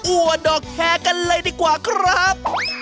วัวดอกแคร์กันเลยดีกว่าครับ